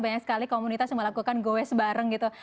banyak sekali komunitas yang melakukan goes bareng gitu